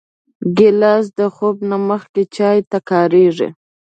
ګیلاس د خوب نه مخکې چای ته کارېږي.